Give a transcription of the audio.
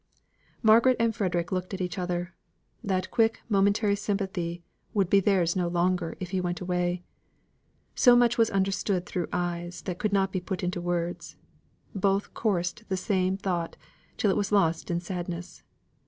Margaret and Frederick looked at each other. That quick momentary sympathy would be theirs no longer if he went away. So much was understood through eyes that could not be put into words. Both coursed the same thought till it was lost in sadness.